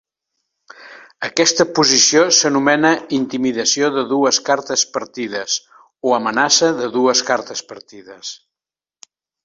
Aquesta posició s'anomena "intimidació de dues cartes partides" o "amenaça de dues cartes partides".